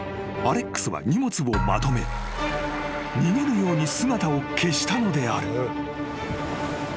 ［アレックスは荷物をまとめ逃げるように姿を消したのである］